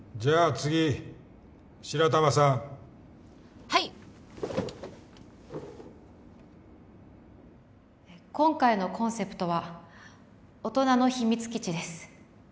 次白玉さんはい今回のコンセプトは「大人の秘密基地」です